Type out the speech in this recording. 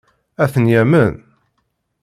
Ad ten-yamen?